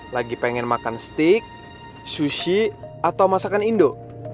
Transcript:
lagi pengen makan steak sushi atau masakan indo